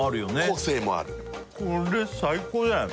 個性もあるこれ最高じゃない？